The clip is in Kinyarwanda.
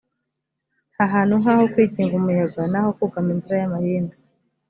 nta hantu nk aho kwikinga umuyaga naho kugama imvura y amahindu